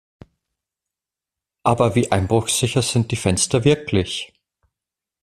Aber wie einbruchsicher sind die Fenster wirklich?